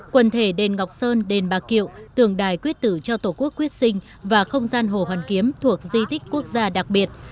quần thể đền ngọc sơn đền bà kiệu tượng đài quyết tử cho tổ quốc quyết sinh và không gian hồ hoàn kiếm thuộc di tích quốc gia đặc biệt